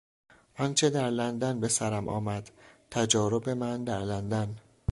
آنچه در لندن به سرم آمد...، تجارب من در لندن...